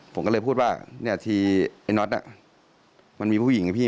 ผมก็เลยพูดว่าเนี่ยทีไอ้น็อตมันมีผู้หญิงนะพี่